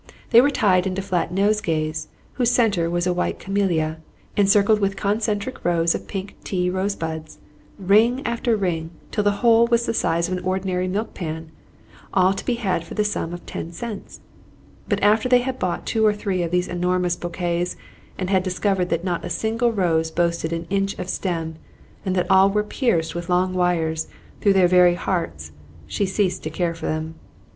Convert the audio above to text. They were tied into flat nosegays, whose centre was a white camellia, encircled with concentric rows of pink tea rosebuds, ring after ring, till the whole was the size of an ordinary milk pan; all to be had for the sum of ten cents! But after they had bought two or three of these enormous bouquets, and had discovered that not a single rose boasted an inch of stem, and that all were pierced with long wires through their very hearts, she ceased to care for them.